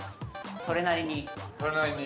◆それなりに。